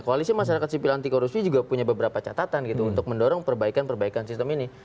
koalisi masyarakat sipil anti korupsi juga punya beberapa catatan gitu untuk mendorong perbaikan perbaikan sistem ini